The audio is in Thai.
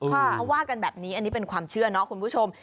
เขาว่ากันแบบนี้อันนี้เป็นความเชื่อเนาะคุณผู้ชม